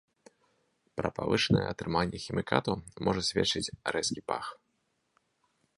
Пра павышанае ўтрыманне хімікатаў можа сведчыць рэзкі пах.